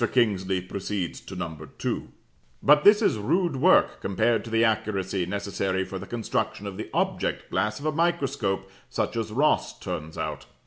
Kingsley proceeds to No. 2: "'But this is rude work compared to the accuracy necessary for the construction of the object glass of a microscope such as Rosse turns out.'